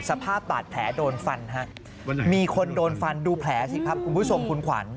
สภาพบาดแผลโดนฟันฮะมีคนโดนฟันดูแผลสิครับคุณผู้ชมคุณขวัญ